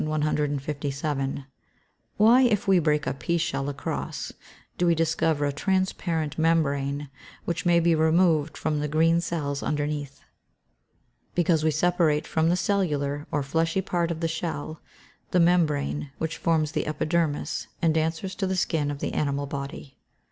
_Why, if we break a pea shell across, do we discover a transparent membrane which may be removed from the green cells underneath?_ Because we separate from the cellular, or fleshy part of the shell, the membrane, which forms the epidermis, and answers to the skin of the animal body.